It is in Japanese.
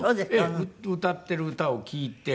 歌っている歌を聴いて。